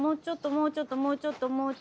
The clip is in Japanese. もうちょっともうちょっと。